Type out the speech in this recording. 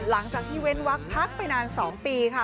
หลังจากที่เว้นวักพักไปนาน๒ปีค่ะ